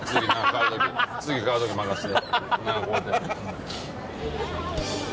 次、買うとき任せて。